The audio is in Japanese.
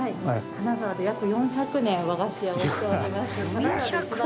金沢で約４００年和菓子屋をしております。